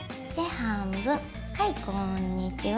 はいこんにちは。